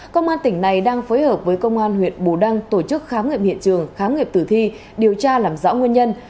công an tỉnh này đang phối hợp với công an huyện bù đăng tổ chức khám nghiệm hiện trường khám nghiệm tử thi điều tra làm rõ nguyên nhân